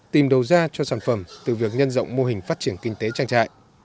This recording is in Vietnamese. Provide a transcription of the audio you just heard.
tìm đầu ra cho sản phẩm từ việc nhân rộng mô hình phát triển kinh tế trang trại